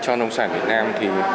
cho nông sản việt nam thì